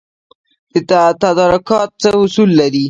تدارکات څه اصول لري؟